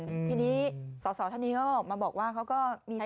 ทีนี้สาวท่านนี้เขาออกมาบอกว่าเขาก็มีสิทธิ์